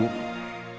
aku akan menang